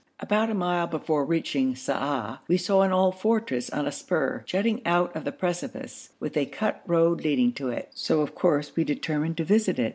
About a mile before reaching Sa'ah we saw an old fortress on a spur jutting out of the precipice, with a cut road leading to it, so of course we determined to visit it.